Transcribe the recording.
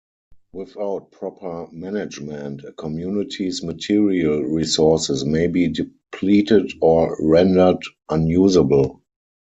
Without proper management, a community's material resources may be depleted or rendered unusable.